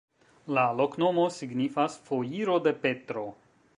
La loknomo signifas: foiro de Petro.